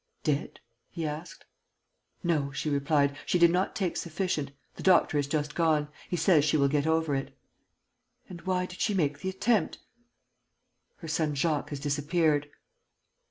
"Dead?" he asked. "No," she replied, "she did not take sufficient. The doctor has just gone. He says she will get over it." "And why did she make the attempt?" "Her son Jacques has disappeared."